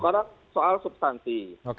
nah soal substansi